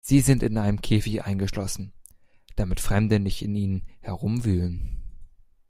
Sie sind in einen Käfig eingeschlossen, damit Fremde nicht in ihnen herumwühlen.